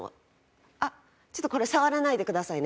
あっちょっとこれ触らないでくださいね。